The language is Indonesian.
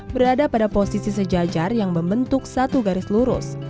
berada pada posisi sejajar yang membentuk satu garis lurus